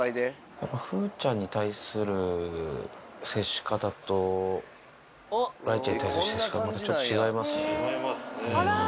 やっぱ風ちゃんに対する接し方と、雷ちゃんに対する接し方、またちょっと違いますね。